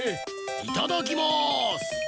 いただきます！